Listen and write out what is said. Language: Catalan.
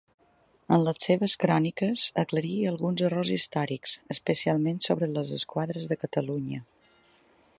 En les seves cròniques aclarí alguns errors històrics, especialment sobre les Esquadres de Catalunya.